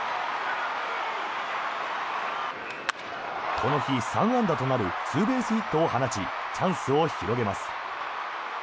この日、３安打となるツーベースヒットを放ちチャンスを広げます。